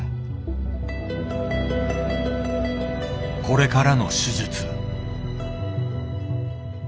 これからの手術。